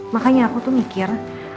makanya aku tuh mikir